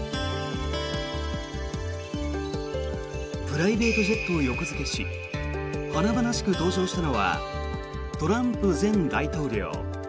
プライベートジェットを横付けし、華々しく登場したのはトランプ前大統領。